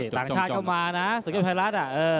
ต่างชาติก็มานะสกินไพรัส